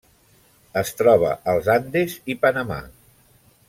Es troba als Andes i Panamà.